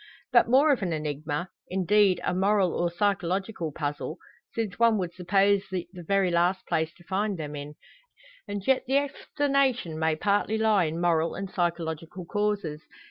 But more of an enigma indeed, a moral, or psychological puzzle; since one would suppose it the very last place to find them in. And yet the explanation may partly lie in moral and psychological causes.